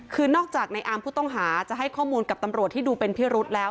คือนอกจากในอาร์มผู้ต้องหาจะให้ข้อมูลกับตำรวจที่ดูเป็นพิรุษแล้ว